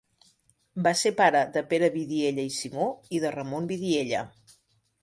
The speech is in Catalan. Va ser pare de Pere Vidiella i Simó i de Ramon Vidiella.